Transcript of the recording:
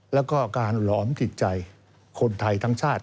แล้วก็การหลอมจิตใจคนไทยทั้งชาติ